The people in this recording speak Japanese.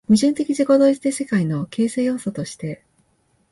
矛盾的自己同一的世界の形成要素として